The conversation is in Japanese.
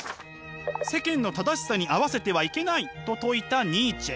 世間の正しさに合わせてはいけないと説いたニーチェ。